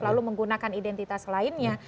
lalu menggunakan identitas lainnya